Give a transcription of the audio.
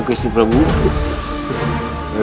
karena efeknya dalam lubang